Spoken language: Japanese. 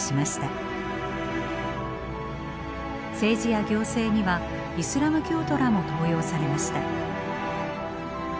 政治や行政にはイスラム教徒らも登用されました。